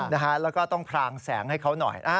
แล้วก็ต้องพรางแสงให้เขาหน่อย